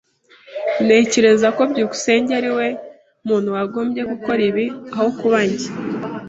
Ntekereza ko byukusenge ariwe muntu wagombye gukora ibi aho kuba njye.